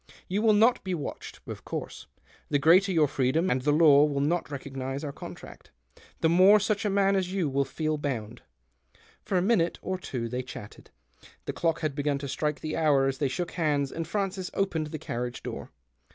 You will not be watched, of course. The greater your freedom — and the law will not recognize our contract — the more such a man as you will feel bound." For a minute or two they chatted ; the clock had begun to strike the hour as they shook hands and Francis opened the carriage door.